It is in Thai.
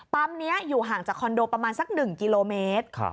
นี้อยู่ห่างจากคอนโดประมาณสัก๑กิโลเมตร